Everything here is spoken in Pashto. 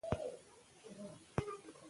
کارمندان د معاش لپاره زحمت باسي.